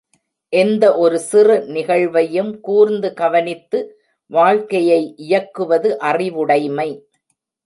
எந்த ஒரு சிறு நிகழ்வையும் கூர்ந்து கவனித்து வாழ்க்கையை இயக்குவது அறிவுடைமை.